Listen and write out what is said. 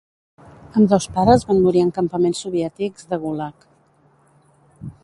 Ambdós pares van morir en campaments soviètics de Gulag